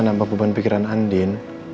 nampak beban pikiran andien